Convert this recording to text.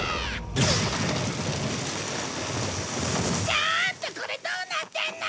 ちょっとこれどうなってんの！？